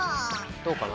どうかな？